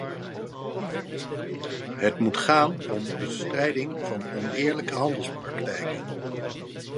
Het moet gaan om bestrijding van oneerlijke handelspraktijken.